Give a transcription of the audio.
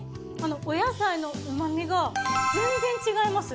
お野菜の旨味が全然違います。